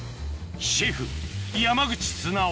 シェフ山口育生